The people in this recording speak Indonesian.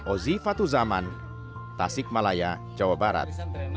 ozi fatuzaman tasik malaya jawa barat